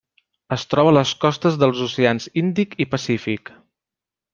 Es troba a les costes dels oceans Índic i Pacífic.